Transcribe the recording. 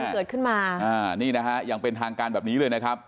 เกิดขึ้นมาอ่านี่นะฮะอย่างเป็นทางการแบบนี้เลยนะครับ